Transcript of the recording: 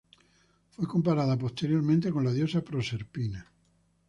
Fue comparada posteriormente con la diosa Proserpina.